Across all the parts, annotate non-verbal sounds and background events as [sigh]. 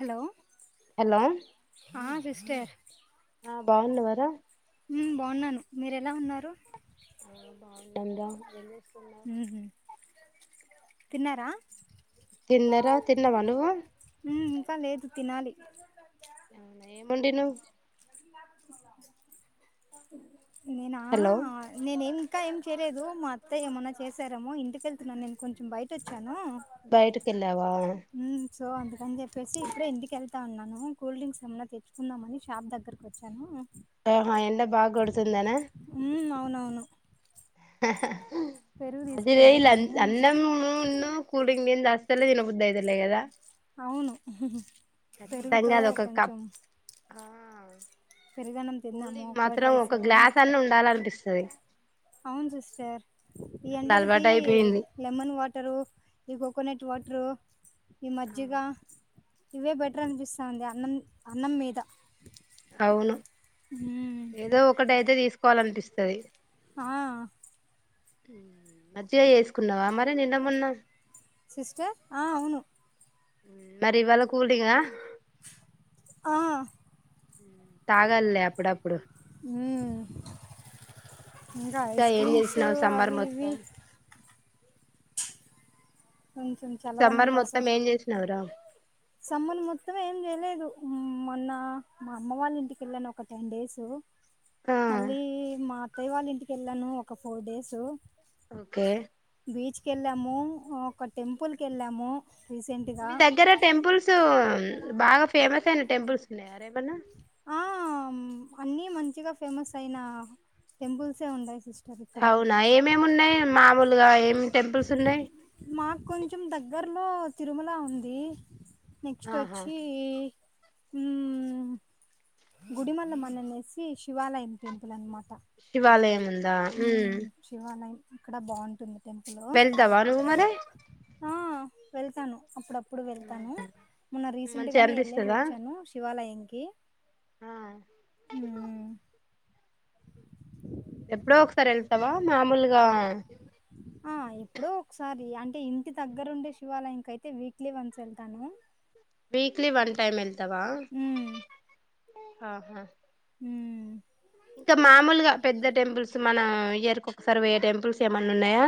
Hello hello ఆ sister అ బావున్నర హ్మ్ బాన్నాను మీరు ఎలా ఉన్నారు ఆ బావున్నారా ఏం చేస్తున్నావ్ తిన్నార తిన్నరా తిన్నావా నువ్వు హ్మ్ ఇంకా లేదు తినాలి ఏమొండినువ్ నేనా హలో ఆ నేనుమి ఇంకా ఏం చేయలేదు మా అత్తయ్య ఏమన్నా చేశారేమో ఇంటికెళ్తున్నాను నేను కొంచెం బయటోచ్చాను బైటకెళ్ళవ హ్మ్ సో అందుకని చెప్పేసి ఇప్పుడే ఇంటికెళ్త ఉన్నాను కూల్ డ్రింక్స్ ఏమైన్నా తెచ్చుకుందామని షాప్ దగ్గర కొచ్చాను ఆహా ఎండ బాగోడుతుందన హ్మ్ అవునవును పెరుగు అదివే తీసుకొని పోదాము అన్నం మును కూల్డ్రింగ్ నీల్ అస్సలే తినబుధైతలేదా అవును ఖచ్చితంగా పెరుగుతో అది ఒక కప్ కొంచెం పెరుగన్నం తిందాము కూల్డింక్ కర్డ్ మాత్రం రైస్ ఒక అని గ్లాస్ అన్న ఉండాలనిపిస్తది అవును సిస్టర్ ఈ అట్లా ఎండల్కి అలవాటు అయిపోయింది లెమన్ వాటరు ఈ కోకోనట్ వాటరు ఈ మజ్జిగ ఇవే బెటర్ అనిపిస్తాంది అన్నం అన్నం మీద అవును మ్మ్ ఏదో ఒకటైతే తీస్కోలన్పిస్తది ఆ హ్మ్ మజ్జిగ చేస్కున్నావా మరి నిన్న మొన్న సిస్టర్ ఆ అవును మరి ఇవాళ కూల్డ్రింగ్ హా ఆ హ్మ్ తాగల్లే అప్పుడప్పుడు హ్మ్ ఇంగ ఇంకా ఐస్ ఏం క్రీమ్స్ చేసినావు సమ్మర్ అవి ఇవి మొత్తం కొంచెం చల్లదనం సమ్మర్ కోసం మొత్తం ఏం చేస్నవురా సమ్మర్ మొత్తం ఏం చేయలేదు మొన్న మా అమ్మ వాళ్ళ ఇంటికిళ్ళను ఒక టెన్ డేసు ఆ మళ్ళీ మా అత్తయ్య వాళ్ళ ఇంటికెళ్లను ఒక ఫోర్ డేసు ఒకే బీచ్ కెళ్ళము ఒక టెంపుల్ కెళ్ళము రీసెంట్ మీ దగ్గర టెంపుల్స్ బాగా ఫేమస్ అయిన టెంప్లేస్వున్నాయార ఏమన్న ఆ అన్నీ మంచిగా ఫేమస్ అయిన టెంపుల్సే వుండై సిస్ టర్ ఇక్కడా అవునా ఏమేమి ఉన్నాయి మామూలుగా ఏం టెంపుల్స్ ఉన్నాయి మాకొంచం దగ్గర్లో తిరుమల ఉంది ఆహా నెక్స్ట్చి ఈ హ్మ్ గుడిమల్ల మానిననేసి శివాలయం టెంపుల్ అనమాట శివాలయం ఉం హ్మ్ శివాలయం ఇక్కడ బావుంటుంది టెంపులు. వెళ్తావా నువ్వు మరి ఆ వెళ్తాను అప్పుడప్ ప్పుడు వెళ్తాను, మొన్న రీసెంట్ మంచిగా గానే వెళ్ళేసి అనిపిస్తదా వచ్చాను శివాలయంకి. ఆ హ్మ్. ఎప్పుడో ఒకసారి ఎళ్తవా మామూలుగా ఆ ఎప్పుడో ఒకసారి అంటే ఇంటి దగ్గరుండే శివాలయం కయితే వీక్లీ వన్స్ వెళ్తాను. వీక్లీ వన్ టైమ్ వెళ్తవా హ్మ్ ఆహా. హ్. ఇంకా మామూలుగా పెద్ద టెంపుల్స్ మన ఇయరికి ఒకసారి పొయ్యే టెంపుల్స్ ఏమన్నా ఉన్నయా.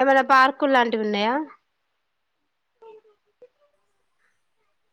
ఏమన్నా పార్కులు లాంటివి ఉన్నయా.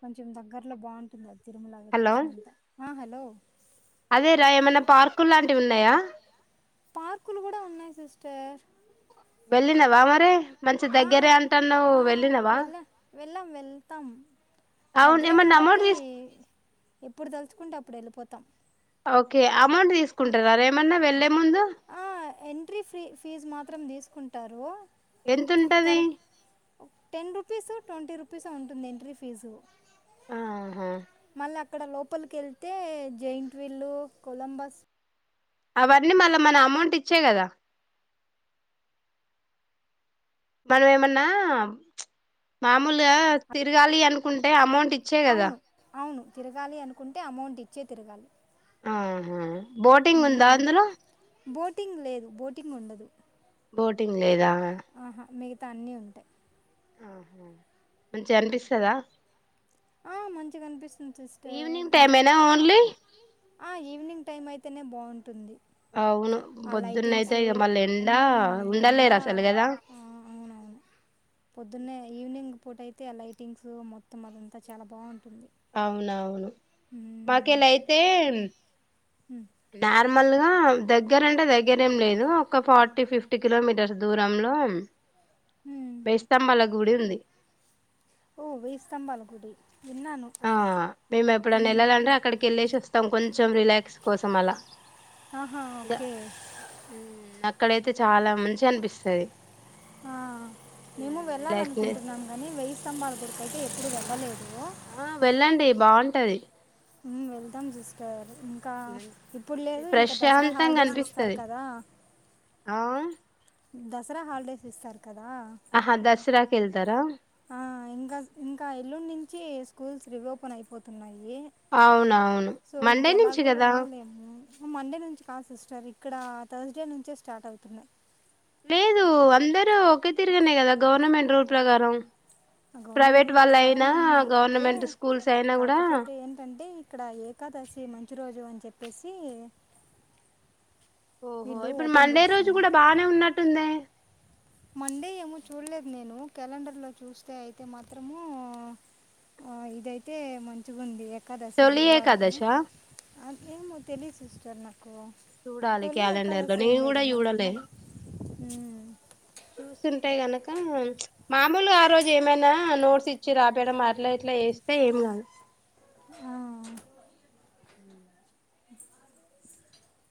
కొంచెం దగ్గరలో బావుంటుంది అది తిరుమల హలో లొకేషన్ అంతా. ఆ హలో అదేరా ఏమైనా పార్కు లాంటివి ఉన్నయా. పార్కులు కూడా ఉన్నయి సిస్టర్. వెళ్ళినవా మరి మంచి ఆ దగ్గరే అంటన్నావు ఆ వెళ్ళినవా వెళ్ళా, వెళ్ళాం, వెళ్తాం. అవును దగ్గరే ఏమన్నా అమౌంట్ కాబట్టి తీసు ఎప్పుడు తలుచుకుంటే అప్పుడు ఎళ్ళిపోతాం. ఓకే అమౌంట్ తీసుకుంటరారా ఏమన్నా వెళ్ళే ముందు. ఆ ఎంట్రీ ఫీ ఫీజు మాత్రం తీసుకుంటరు. ఎంతుంటది? టెన్ రూపీసు, ట్వంటీ రూపీసే ఉంటుంది ఎంట్రీ ఫీజు. ఆహా. మళ్ళీ అక్కడ లోపలికి ఎళ్తే జేయింట్ వీలు, కొలంబస్ అవన్నీ మళ్ళా మన అమౌంట్ ఇచ్చే కదా. మనవేమన్నా మామూలుగా తిరగాలి అనుకుంటే అమౌంట్ ఇచ్చే కదా. అవును అవును తిరగాలి అనుకుంటే అమౌంట్ ఇచ్చే తిరగాలి. ఆహా. బోటింగ్ ఉందా మ్మ్. అందులో? బోటింగ్ లేదు, బోటింగ్ ఉండదు. బోటింగ్ లేదా. ఆహా మిగతా అన్నీ ఉంటాయి. ఆహా. మంచిగా అనిపిస్తదా? ఆ మంచిగా అనిపిస్తుంది సిస్టర్, ఈవినింగ్ టైమ్ ఇంకా. ఏనా ఓన్లీ ఆ ఈవినింగ్ టైం అయితేనే బావుంటుంది. అవును ఆ పొద్దున్న అయితే లైటింగ్సు ఇక మళ్ళీ ఎండ హ్మ్ ఉండలేరు ఎండా. అసలు కదా అవునవును పొద్దున్నే ఈవినింగ్ పూట అయితే ఆ లైటింగ్స్ మొత్తం అదం తా చాలా బావుంటుంది. అవునవును. హ్. మాకేళ్ళి అయితే హు నార్మల్గా దగ్గరంటే దగ్గర ఏం లేదు. ఒక ఫార్టీ ఫిఫ్టీ కిలోమీటర్స్ దూరంలో మ్మ్. బేస్తంబాల గుడి ఉంది. ఓ వేయి స్తంభాల గుడి విన్నాను. ఆ మేము ఎప్పుడన్నా మ్మ్. ఎళ్ళాలంటే అక్కడికి ఎళ్ళేశి వస్తాం కొంచెం రిలాక్స్ కోసం అలా. ఆహా ద- ఓకే. అక్కడైతే చాలా మంచిగా అనిపిస్తుది ఆ మేము రిలాక్స్ వెళ్ళాలనుకుంటున్నాము కానీ వెయ్యి స్తంభాల గుడికి అయితే ఎప్పుడు వెళ్ళలేదు ఆ వెళ్ళండి బాగుంటది ఉం వెళ్తాం సిస్టర్ ఇంకా ఇప్పుడు లేదు ఇంకా దసరా ప్రశాంతంగా హాలిడేస్ ఇస్తారు అనిపిస్తది కదా ఆ దసరా హాలిడేస్ ఇస్తారు కదా ఆహా దసరాకి వెల్తారా ఆ ఇంకా ఇంకా ఎల్లుండి నుంచి స్కూల్స్ రిఓపెన్ అయిపోతున్నాయి అవునవును సో మండే నుంచి ఇంకెలాగూ కదా వెళ్ల లేను ఉం మండే నుంచి కాదు సిస్టర్ ఇక్కడ థర్స్డే నుంచే స్టార్ట్ అవుతున్నాయి లేదు అందరు ఒకే తిరుగనే కదా గవర్నమెంట్ రూల్ ప్రకారం గవర్నమెంట్ ప్రైవేట్ రూల్ వాళ్ళ ప్రకారం అయినా ఒకటే గవర్నమెంట్ స్కూల్స్ అయినా కూడా కాకపోతే ఏంటంటే ఇక్కడ ఏకాదశి మంచి రోజు అని చెప్పేసి ఓహో వీళ్ళు ఇప్పుడు ఓపెన్ మండే రోజు చేస్తున్నారు కూడా బానే ఉన్నట్టుందే మండే ఏమో చూడలేదు నేను క్యాలెండర్లో చూస్తే అయితే మాత్రము ఆ ఇదైతే మంచి మంచిగుంది ఏకాదశి తొలి గురువారము ఏకాదశా అ ఏమో తెలిదు సిస్టర్ నాకు కు చూడాలి క్యాలెండర్ లో తొలిఏకాదశి ఏమ్ నేను లేదు కూడా చూడలే నార్మల్ ఉమ్ చూస్తుంటె గనక చ్ మామూలుగా ఆ రోజు ఏమైనా నోట్స్ ఇ చి రాపియడం అట్లా ఇట్లా వేస్తే ఏం కాదు ఆ అ అ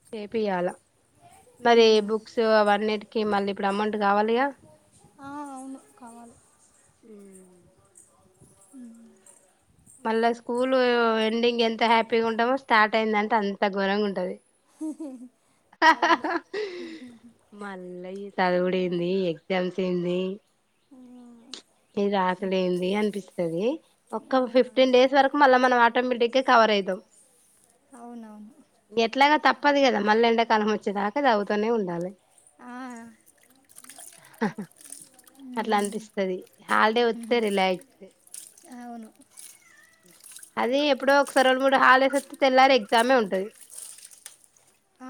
చేపియాలా మరి ఉమ్. బుక్స్ అవన్నిటికిీ మళ్ళీ ఇప్పుడు అమౌంట్ కావాలిగా ఆ అవును కావాలి ఉం మళ్ళా స్కూల్ ఎండింగ్ ఎంత హ్యాపీగా ఉంటామో స్టార్ట్ అయిందంటే అంత ఘోరంగా ఉంటది అవును మళ్ళ ఈ చదువుడేంది ఎగ్జామ్స్ ఏంది ఉం ఇ రాసుడేంది అనిపిస్తుది ఆ, ఒక ఫిఫ్టీ ఆ. టెన్ డేస్ వరకు మళ్ళ మనం ఆటోమేటిక్ గా కవర్ అయితాం అవునవును ఎట్లాగా తప్పదు కదా మళ్ళీ ఎండాకాలం వచ్చేదాకా చదువుతూనే ఉండాలి ఆ, ఆ అట్లా మ్మ్. అనిపిస్తుది హాలిడే వస్తే రిలాక్స్ అవును అది ఎప్పుడో ఒక సారి రెండు మూడు హాలడేస్ వస్తే తెల్లారి ఎగ్జామే ఉంటది ఆ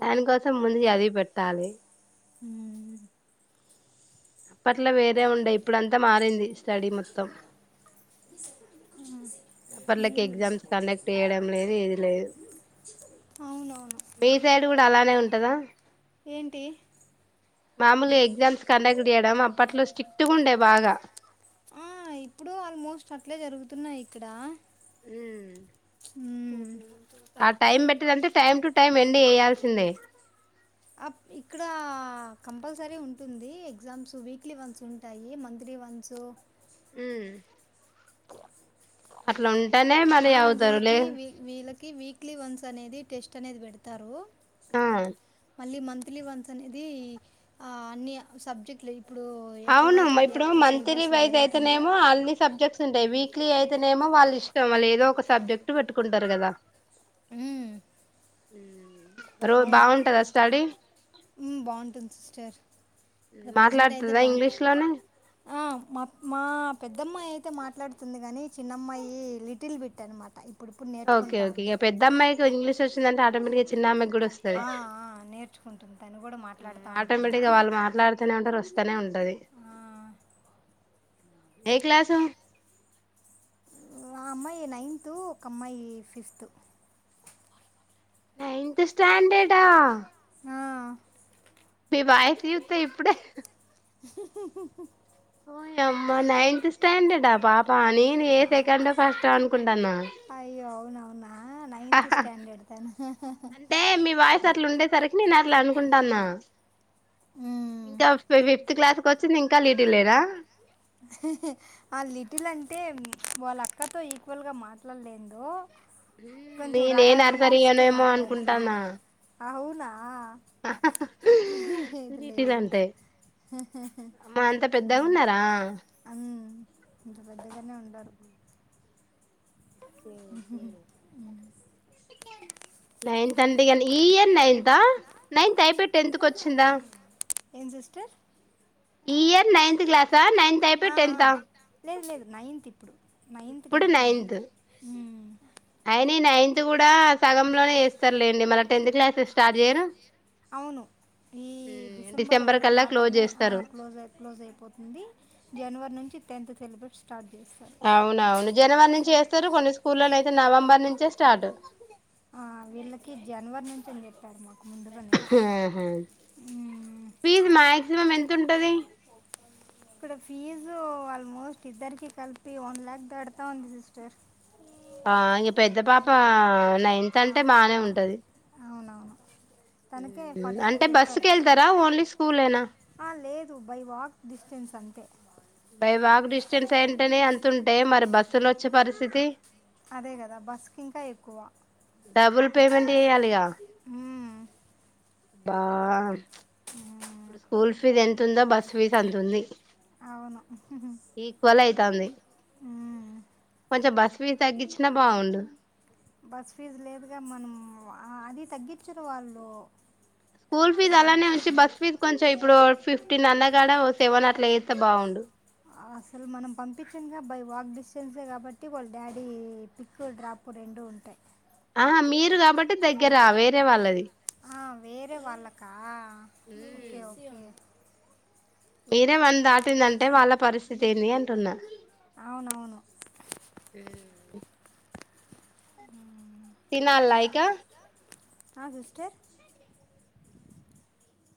దానికోసం ముందు చదివి పెట్టాలి ఉం అప్పట్లో వేరే ఉండయి ఇప్పుడు అంతా మారింది స్టడీ మొత్తం ఉం అప్పట్లోకి ఎగ్జామ్స్ కండక్ట్ చేయడం లేదు ఏది లేదు అవునవును మీ సైడ్ కూడా అలానే ఉంటదా ఏంటి మామలు ఎగ్జామ్స్ కండక్ట్ చేయడం అప్పట్లో స్ట్రిక్ట్ గా ఉండే బాగా ఆ ఇప్పుడు ఆల్మోస్ట్ అట్లే జరుగుతున్నాయి ఇక్కడ ఉ ఊ ఆ టైం పెట్టిందంటె టైమ్ టు టైం ఎండ్ చేయాల్సిందే అప్ ఇక్కడ కంపల్సరీ ఉంటుంది ఎగ్జామ్స్ వీక్లీ వన్స్ ఉం ఉంటాయి మంత్లీ వన్స్ ఊ [inaudible] అట్లా ఉంటేనే మళ్ళీ అవుతారులే వీళ్ళకి వీ- వీళ్ళకి వీక్లీ వన్స్ అనేది టెస్ట్ అనేది పెడతారు ఆ మళ్ళీ మంత్లీ వన్స్ అనేది ఆ అన్ని సబ్జెక్ట్లాయి ఇప్పుడు ఎక్కడవైతే అవునమ్మా ఇప్పుడు మంత్లీ సిలబస్ వైజ్ జరుగుతుందో అయితేనేమో అన్నీ సబ్జెక్ట్స్ స్తుంటాయి వీక్లీ అయితేనేమో వాళ్ళు ఇష్టం వాళ్ళు ఏదో ఒక సబ్జెక్ట్ పెట్టుకుంటారు కదా ఊ రో బాగుంటదా స్టడి ఊ బాగుంటుంది సిస్టర్ ఇక్కడ ప్రజెంట్ అయితే మాట్లాడుతదా బా ఇంగ్లీష్ లోనే ఆ మా మా పెద్దమ్మాయి అయితే మాట్లాడుతుంది కాని చిన్నమ్మాయి లిటిల్ బిట్ అనమాట ఇప్పుడు ఇప్పుడు ఓకే నేర్చుకుంటా ఓకే ఇక ఉంది పెద్దమ్మాయి ఇంగ్లీష్ వచ్చిందంటే ఆటోమేటిగా చిన్నమ్మాయి కూడా వస్తుంది ఆ ఆ నేర్చుకుంటుంది తను కూడా మాట్లాడుతూ ఉంటుంది తనే ఉంటారు వస్తానే ఉంటది ఆ, ఏ క్లాసు ఆ అమ్మాయి నైన్త్ ఒక అమ్మాయి ఫిఫ్త్ నైన్త్ స్టాండర్డ్ ఆ ఆ మీ వాయిస్ చూస్తే ఇప్పుడు ఓయమ్మా నైన్త్ స్టాండర్డా పాప అ నేను ఏ ఆ, సెకండ్ ఒ ఫస్ట్ ఒ అనుకుంటాన అయ్యో అవునవున అంటే మీ వాయిస్ అట్లా ఉండేస్ సరికి నేను అట్ల అనుకుంటాన మ్మ్. ఇంకా ఫి ఫిఫ్త్ క్లాస్ వచ్చింది ఇంకా లీటిల్ లేనా ఆ లిటిల్ అంటే వాళ్ళ అక్కతో ఈక్వల్గా మాట్లాడలేదు కొంచెం నేనే రగాలు నర్సరీ తీస్తూ యోనేమో మాట్లాడుతుంది అనుకుంటానా అవునా ఆ లేదు లిటిల్ లేదు అంటే అమా అంతా పెద్దగా ఉన్నారా అ ఇంత పెద్దగానే ఉంటారు ఓకే ఉహు ఓకే ఊ నైన్త్ అంటే కానీ ఈ ఇయర్ నైన్త్ ఆ నైన్త్ అయిపోయి టెన్త్ కచ్చిందా ఏం సిస్టర్ ఈ ఇయర్ నైన్త్ క్లాసా నైన్ లేదు లేదు నైన్త్ ఇప్పుడు నైన్త్కి ఇప్పుడు వెళ్తున్నా నైన్త్ ఊ అయిన నైన్త్ కూడా సగంలోనే చేస్తారులేండి మళ్ళి టెన్త్ క్లాస్ స్టార్ట్ చేయరు అవును ఈ డిసెంబర్ వరకు కల్లా క్లోజ్ మాత్రమే ఆ చేస్తారు క్లోజ్ అయి క్లోజ్ అయిపోతుంది జనవరి నుంచి టెన్త్ సిలబస్ స్టార్ట్ చేస్తారు అవునవును జనవరి నుంచి ఏస్తరు కొన్ని స్కూల్లల్లో అయితే నవంబర్ నుంచే స్టాటు ఆ వీళ్ళకీ జనవరి నుంచే అని చెప్పారు మాకు ముందుగానే హు ఆహా మ్మ్. ఫీజు మాక్సిమం ఎంతుంటదీ ఇక్కడ ఫీజూ ఆల్మోస్ట్ ఇద్దరికి కలిపి వన్ ల్యాక్ దడతా ఉంది సిస్టర్ ఆ ఇంగ పెద్ద పాపా నైన్త్ అంటే బానే ఉంటది అవునవును తనకే ఫార్టీ ఫైవ్ అంటే చెప్పారు. బస్సుకి వెళ్తారా ఓన్లీ స్కూలేనా అ లేదు బై వాక్ డిస్టెన్స్ అంతే బై వాక్ డిస్టెన్స్ అయింటెనే అంతుంటే మరి బస్సులో వచ్చే పరిస్థితీ అదే కదా బస్సుకి ఇంకా ఎక్కువ డబుల్ పేమెంట్ చెయ్యాలిగా మ్ బా మ్మ్. స్కూల్ ఫీజ్ ఎంత ఉందో బస్ ఫీజు అంత ఉంది అవును ఈక్వల్ అయితాంది మ్మ్. కొంచెం బస్సు ఫీజు తగ్గిచ్చినా బావుండు బస్ ఫీజు లేదుగా మన్ము ఆ అది తగ్గిచ్చరు వాళ్ళు స్కూల్ ఫీజ్ ఓ, అలానే ఉంచి బస్ ఫీజ్ కొంచెం ఇప్పుడూ ఫిఫ్టీన్ అన్నగాన ఓకే ఏమన్న అట్ల త బావుండు ఆ అసల్ మనం పంపించంగా బై వాక్ డిస్టెన్సే కాబట్టి వాళ్ళ డాడీ పిక్కు డ్రాప్ రెండూ ఉంటాయ్. ఆహా మీరు కాబట్టి దెగ్గెరా వేరే వాళ్ళది ఆ వేరే వాళ్ళకా ఓకె ఓకే ఈడే వన్ దాటిందంటే వాళ్ళ పరిస్థితి ఏమైతాద ఏంది అంటున్నా అవునవును ఏ పొ ఊ తినల్లా ఇకా ఆ సిస్టర్